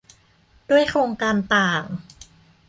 ด้วยโครงการต่าง